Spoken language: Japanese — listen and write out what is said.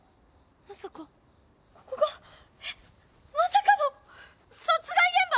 まさかここが？えっまさかの殺害現場？